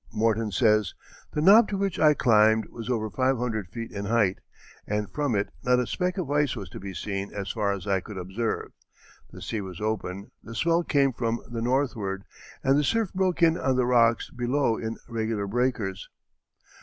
Morton says: "The knob to which I climbed was over five hundred feet in height, and from it not a speck of ice was to be seen as far as I could observe; the sea was open, the swell came from the northward, ... and the surf broke in on the rocks below in regular breakers."